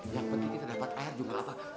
yang penting kita dapat air juga apa